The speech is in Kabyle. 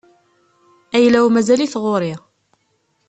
Ayla-w mazal-it ɣur-i.